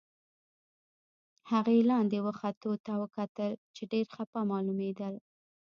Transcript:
هغې لاندې و ختو ته وکتل، چې ډېر خپه معلومېدل.